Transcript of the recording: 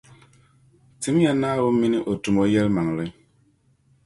Tim ya Naawuni mini O tumo yεlimaŋli.